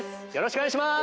お願いします！